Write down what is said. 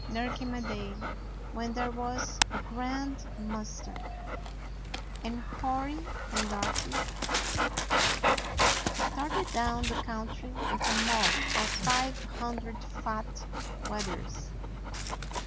There came a day when there was a grand muster, and Hori and Darky started down the country with a mob of five hundred fat weth ers.